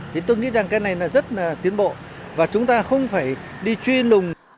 thì tôi nghĩ rằng cái này là rất là tiến bộ và chúng ta không phải đi truy lùng